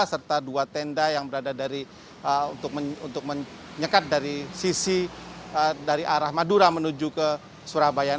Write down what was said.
serta dua tenda yang berada untuk menyekat dari sisi dari arah madura menuju ke surabaya